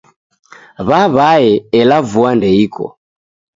Waw'ae ela vua ndeiko.